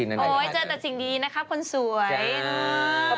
โอ้ยเจอแต่สิ่งดีนะครับคนสวย